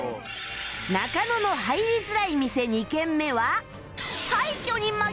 中野の入りづらい店２軒目は